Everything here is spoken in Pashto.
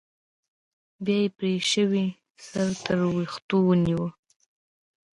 بيا يې پرې شوى سر تر ويښتو ونيو.